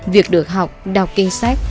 việc được học đọc kinh sách